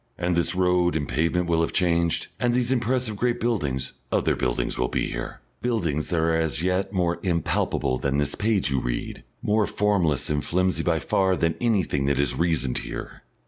And this road and pavement will have changed, and these impressive great buildings; other buildings will be here, buildings that are as yet more impalpable than this page you read, more formless and flimsy by far than anything that is reasoned here.